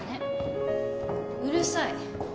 うるさい。